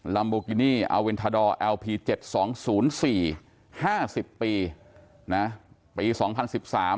ลัมโบกินี่อาเวนทาดอร์แอลพีเจ็ดสองศูนย์สี่ห้าสิบปีนะปีสองพันสิบสาม